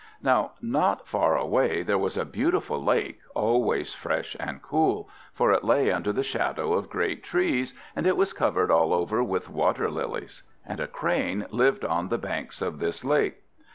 Now not far away there was a beautiful lake, always fresh and cool; for it lay under the shadow of great trees, and it was covered all over with water lilies. And a Crane lived on the banks of this lake.